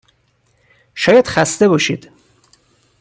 شاید خسته باشید.